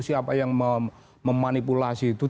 siapa yang memanipulasi itu